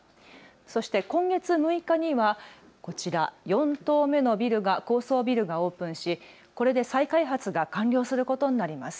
そして今月６日にはこちら、４棟目の高層ビルがオープンしこれで再開発が完了することになります。